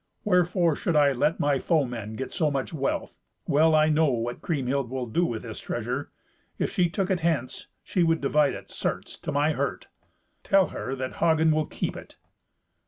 Wherefore should I let my foemen get so much wealth. Well I know what Kriemhild will do with this treasure. If she took it hence, she would divide it, certes, to my hurt. Tell her that Hagen will keep it."